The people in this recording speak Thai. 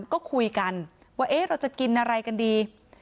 ก็คุยกันว่าเราจะกินอะไรกันดี